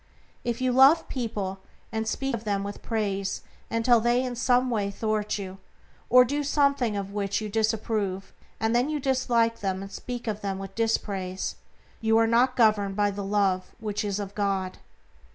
If you love people and speak of them with praise until they in some way thwart you, or do something of which you disapprove, and then you dislike them and speak of them with dispraise, you are not governed by the Love which is of God.